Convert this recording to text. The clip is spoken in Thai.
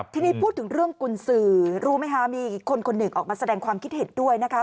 ทีนี้พูดถึงเรื่องกุญสือรู้ไหมคะมีอีกคนคนหนึ่งออกมาแสดงความคิดเห็นด้วยนะคะ